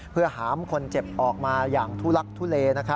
เพื่อหามคนเจ็บออกมาอย่างทุลักทุเล